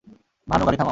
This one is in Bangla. ভানু, গাড়ি থামাও।